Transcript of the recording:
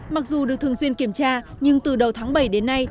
mặc dù được thường xuyên kiểm tra nhưng từ đầu tháng bảy đến nay